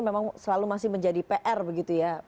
memang selalu masih menjadi pr begitu ya